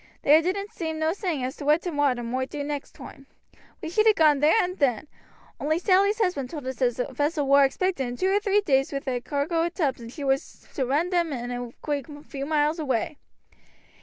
There didn't seem no saying as to what t' water moight do next toime. We should ha' gone there and then, only Sally's husband told us as a vessel war expected in two or three days wi' a cargo of tubs and she was to run them in a creek a few miles away.